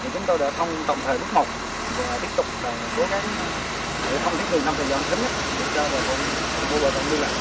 chúng tôi đã thông tổng thời mức mộng và tiếp tục cố gắng để thông thiết nghỉ năm thời gian sớm nhất để cho bộ tổng lưu lại